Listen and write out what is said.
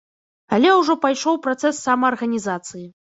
Але ўжо пайшоў працэс самаарганізацыі.